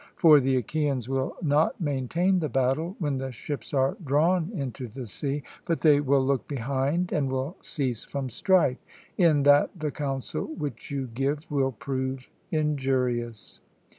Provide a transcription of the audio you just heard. For the Achaeans will not maintain the battle, when the ships are drawn into the sea, but they will look behind and will cease from strife; in that the counsel which you give will prove injurious.'